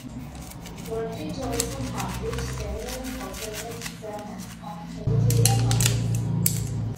Doddridge also published several courses of sermons on particular topics.